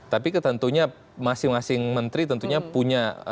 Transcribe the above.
tapi tentunya masing masing menteri tentunya punya